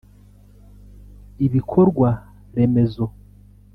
Ibikorwa remezo